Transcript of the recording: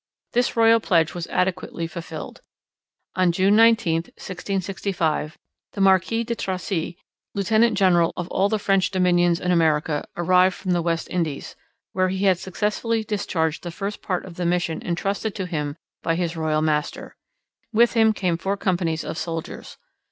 This royal pledge was adequately fulfilled. On June 19, 1665, the Marquis de Tracy, lieutenant general of all the French dominions in America, arrived from the West Indies, where he had successfully discharged the first part of the mission entrusted to him by his royal master. With him came four companies of soldiers.